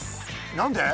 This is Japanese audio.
何で？